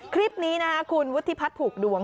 คลิปนี้นะคะคุณวุฒิพัฒน์ผูกดวง